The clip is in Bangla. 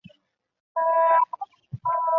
তাহলে কি ঘরে বসে সেলাই এর কাজ করব?